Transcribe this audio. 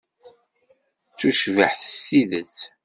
D tucbiḥt s tidet.